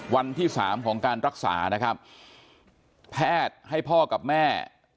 วันที่สามของการรักษานะครับแพทย์ให้พ่อกับแม่